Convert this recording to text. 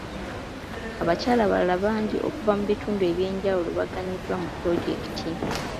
Abakyala abalala bangi okuva mu bitundu eby'enjawulo baganyuddwa mu pulojekiti.